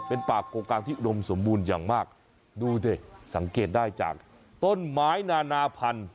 เป็นป่าโกกลางที่อุดมสมบูรณ์อย่างมากดูดิสังเกตได้จากต้นไม้นานาพันธุ